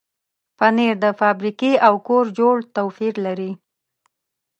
پنېر د فابریکې او کور جوړ توپیر لري.